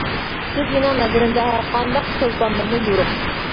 سىز مېنىڭ نەزىرىمدە ھەرقانداق چولپاندىنمۇ يورۇق!